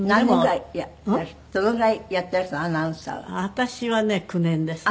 私はね９年ですね。